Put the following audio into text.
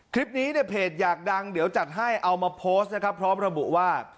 คลิปนี้เนี่ยเพจอยากดังเดี๋ยวจัดให้เอามาโพสต์นะครับพร้อมระบุว่า